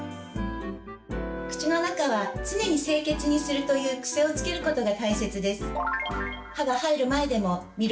「口の中は常に清潔にする」という癖をつけることが大切です。